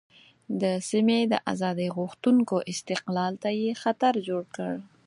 د سیمې د آزادۍ غوښتونکو استقلال ته یې خطر جوړ کړ.